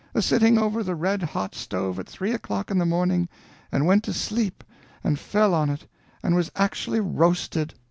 a sitting over the red hot stove at three o'clock in the morning and went to sleep and fell on it and was actually roasted!